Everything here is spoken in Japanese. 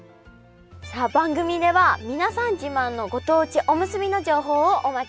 さあ番組では皆さん自慢のご当地おむすびの情報をお待ちしています。